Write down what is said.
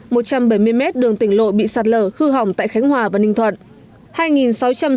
một trăm bảy mươi mét đường tỉnh lộ bị sạt lở hư hỏng tại khánh hòa và ninh thuận